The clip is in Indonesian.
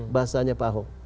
bahasanya pak ahok